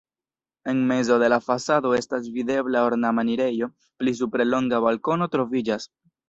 En mezo de la fasado estas videbla ornama enirejo, pli supre longa balkono troviĝas.